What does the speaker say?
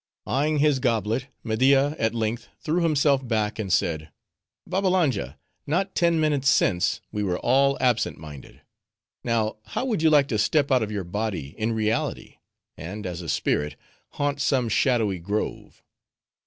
Eyeing his goblet, Media at length threw himself back, and said: "Babbalanja, not ten minutes since, we were all absent minded; now, how would you like to step out of your body, in reality; and, as a spirit, haunt some shadowy grove?"